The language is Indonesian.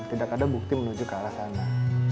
tidak ada bukti menuju ke arah sana